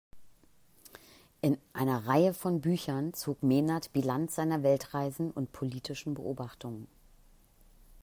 In einer Reihe von Büchern zog Mehnert Bilanz seiner Weltreisen und politischen Beobachtungen.